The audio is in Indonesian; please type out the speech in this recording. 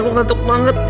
aku ngantuk banget